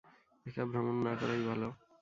একা ভ্রমণ না করাই ভালো।